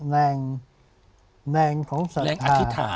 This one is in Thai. แรงผู้แห่งของศรัทธา